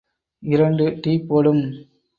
இரண்டு டீ போடு ம்...!